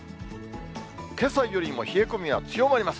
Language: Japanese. けさよりも冷え込みは強まります。